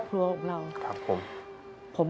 ครับ